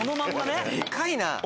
でかいな！